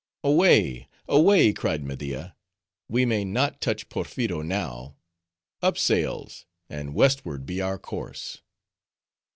"Away! Away!" cried Media. "We may not touch Porpheero now.—Up sails! and westward be our course."